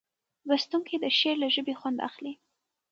لوستونکی د شعر له ژبې خوند اخلي.